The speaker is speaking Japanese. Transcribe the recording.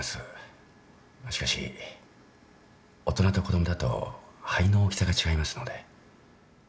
しかし大人と子供だと肺の大きさが違いますので。